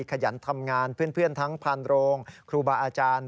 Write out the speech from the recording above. ขยันทำงานเพื่อนทั้งพานโรงครูบาอาจารย์